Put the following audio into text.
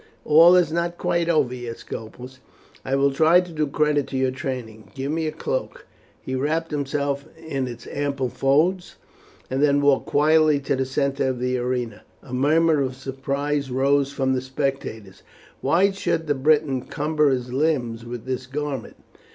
"All is not quite over yet, Scopus. I will try to do credit to your training; give me my cloak." He wrapped himself in its ample folds, and then walked quietly back to the centre of the arena. A murmur of surprise rose from the spectators. Why should the Briton cumber his limbs with this garment?